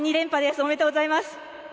ありがとうございます。